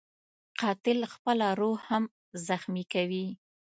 قاتل خپله روح هم زخمي کوي